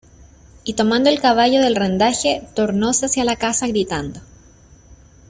y tomando el caballo del rendaje tornóse hacia la casa, gritando: